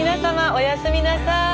おやすみなさい。